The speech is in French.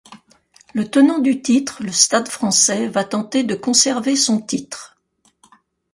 Le tenant du titre, le Stade Français va tenter de conserver son titre.